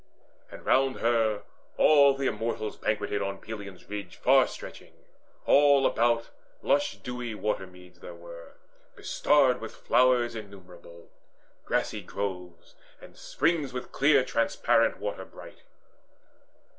And round her all the Immortals banqueted On Pelion's ridge far stretching. All about Lush dewy watermeads there were, bestarred With flowers innumerable, grassy groves, And springs with clear transparent water bright.